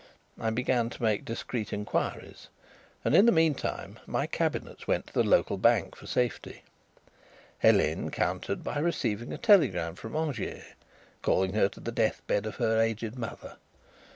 I began to make discreet inquiries and in the meantime my cabinets went to the local bank for safety. Helene countered by receiving a telegram from Angiers, calling her to the death bed of her aged mother.